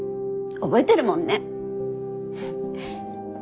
覚えてるもんね。